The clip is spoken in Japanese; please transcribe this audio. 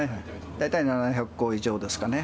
大体７００個以上ですかね。